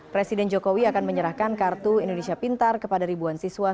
presiden jokowi akan menyerahkan kartu indonesia pintar kepada ribuan siswa